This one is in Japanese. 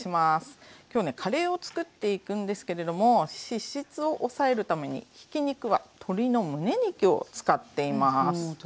今日ねカレーを作っていくんですけれども脂質を抑えるためにひき肉は鶏のむね肉を使っています。